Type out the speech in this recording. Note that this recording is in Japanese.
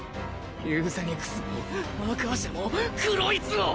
ユーゼニクスもアーカーシャもクロイツも！